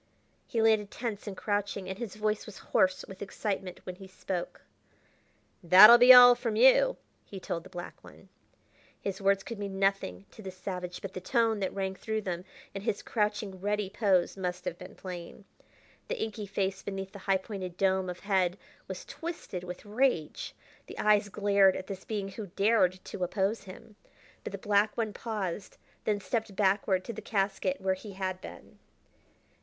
He landed tense and crouching, and his voice was hoarse with excitement when he spoke. "That'll be all from you," he told the black one. His words could mean nothing to this savage, but the tone that rang through them, and his crouching, ready pose, must have been plain. The inky face beneath the high pointed dome of head was twisted with rage; the eyes glared at this being who dared to oppose him. But the black one paused, then stepped backward to the casket where he had been.